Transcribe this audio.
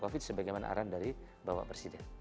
covid sebagaimana arahan dari bapak presiden